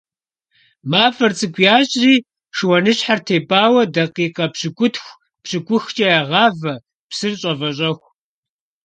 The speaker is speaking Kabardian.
МафIэр цIыкIу ящIри шыуаныщхьэр тепIауэ дакъикъэ пщыкIутху-пщыкıухкIэ ягъавэ псыр щIэвэщIэху.